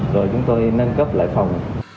rồi chúng tôi nâng cấp lại phòng